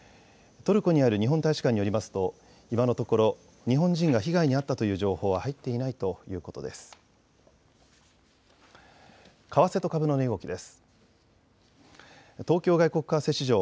トルコにある日本大使館によりますと今のところ日本人が被害に遭ったという情報は入っていないということです。